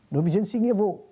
đối với chiến sĩ nghĩa vụ